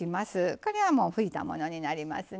これは拭いたものになりますね。